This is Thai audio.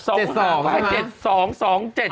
แม่ให้ทั้งโอ้โห๗๒ทั้ง๔๕เลยเหรอ